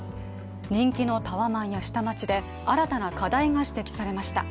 人気のタワマンや下町で新たな課題が指摘されました。